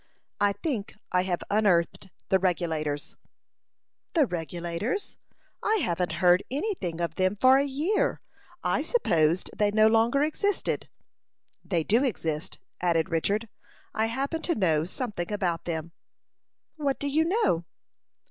"I think I have unearthed the Regulators." "The Regulators? I haven't heard any thing of them for a year. I supposed they no longer existed." "They do exist," added Richard. "I happen to know something about them." "What do you know?"